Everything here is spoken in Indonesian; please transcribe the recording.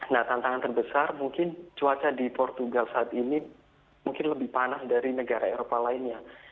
nah tantangan terbesar mungkin cuaca di portugal saat ini mungkin lebih panas dari negara eropa lainnya